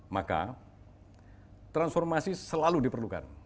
maka transformasi selalu diperlukan